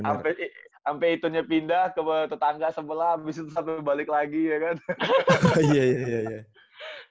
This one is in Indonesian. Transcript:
nah ampe itu nya pindah ke tetangga sebelah abis itu satu balik lagi ya kan